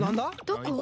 どこ？